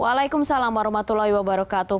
waalaikumsalam warahmatullahi wabarakatuh